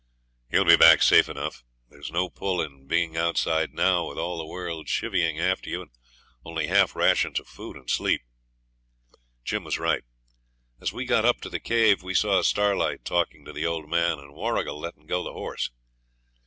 'He'll be back safe enough. There's no pull in being outside now with all the world chevying after you and only half rations of food and sleep.' Jim was right. As we got up to the cave we saw Starlight talking to the old man and Warrigal letting go the horse.